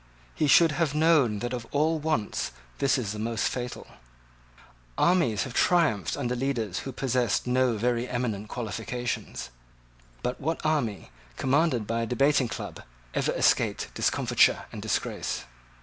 He should have known that of all wants this is the most fatal. Armies have triumphed under leaders who possessed no very eminent qualifications. But what army commanded by a debating club ever escaped discomfiture and disgrace?